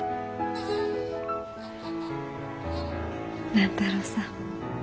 万太郎さん。